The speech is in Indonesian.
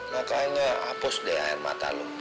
makanya hapus deh air mata lo